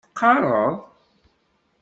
Teqqareḍ?